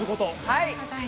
はい。